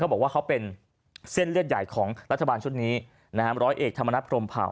บอกว่าเขาเป็นเส้นเลือดใหญ่ของรัฐบาลชุดนี้นะฮะร้อยเอกธรรมนัฐพรมเผา